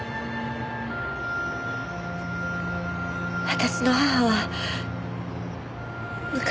私の母は昔。